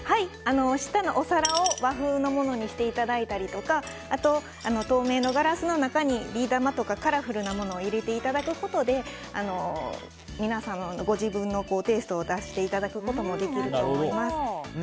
下のお皿を和風にしていただいたりとか透明のガラスの中にビー玉とかカラフルなものを入れていただくことで皆さん、ご自分のテイストを出していただくことも可能だと思います。